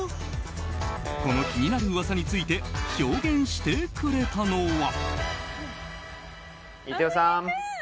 この気になる噂について証言してくれたのは。